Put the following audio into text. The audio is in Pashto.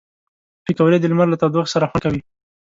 پکورې د لمر له تودوخې سره خوند کوي